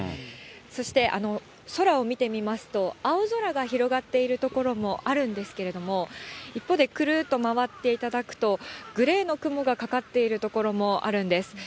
そして空を見てみますと、青空が広がっている所もあるんですけれども、一方で、くるっと回っていただくと、グレーの雲がかかっている所もあるんです。